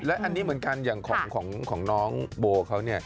และอันนี้เหมือนกันอย่างของน้องโบเขา